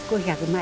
５００枚？